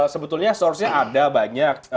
sebetulnya sourcenya ada banyak